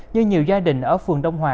nhưng nhiều gia đình ở phường đông hòa